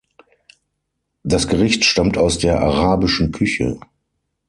Das Gericht stammt aus der arabischen Küche.